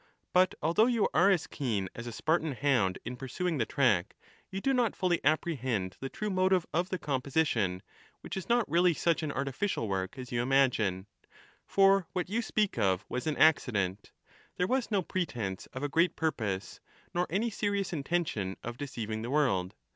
But although you are as keen A mis as a Spartan hound in pursuing the track, you do not fully "^'^j'^^ apprehend the true motive of the composition, which is not really such an artificial work as you imagine ; for what you speak of was an accident ; there was no pretence of a great purpose ; nor any serious intention of deceiving the world.